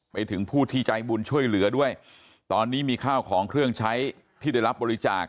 ไปถึงผู้ที่ใจบุญช่วยเหลือด้วยตอนนี้มีข้าวของเครื่องใช้ที่ได้รับบริจาค